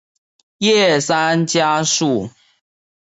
叶山嘉树。